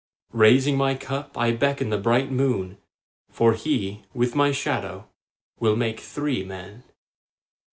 Raising my cup I beckon the bright moon, For he, with my shadow, will make three men.